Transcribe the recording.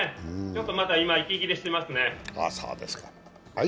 ちょっとまた今、息切れしていますね。